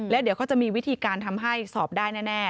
แล้วเดี๋ยวเขาจะมีวิธีการทำให้สอบได้แน่